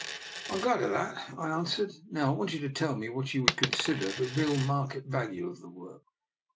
" I'm glad of that," I answered. " Now, I want you to tell me what you would con sider the real market value of the work."